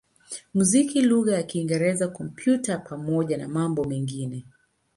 muziki lugha ya Kiingereza, Kompyuta pamoja na mambo mengine.